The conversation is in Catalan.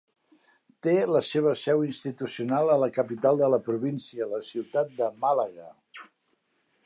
Té la seva seu institucional a la capital de la província, la ciutat de Màlaga.